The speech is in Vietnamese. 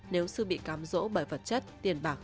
nếu sư bị cam rỗ bởi vật chất tiền bạc